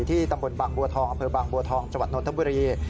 ที่ตำบลบังบัวทองอำเภอบังบัวทองจวดนทบุรี